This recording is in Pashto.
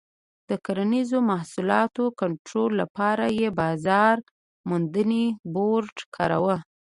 د کرنیزو محصولاتو کنټرول لپاره یې بازار موندنې بورډ کاراوه.